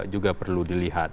itu juga perlu dilihat